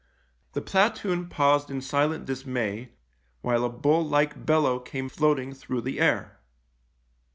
The platoon paused in silent dismay, while a bull like bellow came floating through the air.